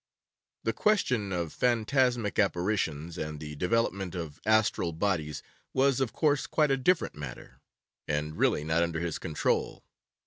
The question of phantasmic apparitions, and the development of astral bodies, was of course quite a different matter, and really not under his control.